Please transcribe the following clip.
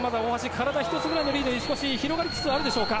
体１つ分のリードに広がりつつあるでしょうか。